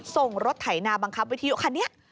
ส่งรถไถนาบังคับวิทยุคันนี้